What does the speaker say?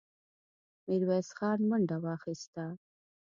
ميرويس خان منډه واخيسته.